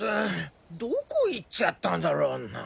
どこ行っちゃったんだろうな？